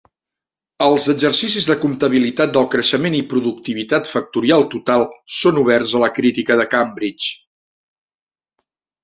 Els exercicis de comptabilitat del creixement i Productivitat Factorial Total són oberts a la crítica de Cambridge.